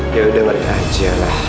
ya udah lari aja lah